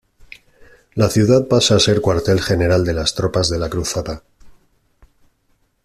La ciudad pasa a ser cuartel general de las tropas de la cruzada.